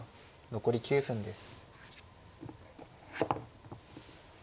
残り９分です。